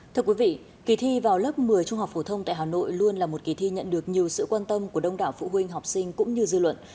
thưa quý vị kỳ thi vào lớp một mươi trung học phổ thông tại hà nội luôn là một kỳ thi nhận được nhiều sự quan tâm của đông đảo phụ huynh học sinh cũng như dư luận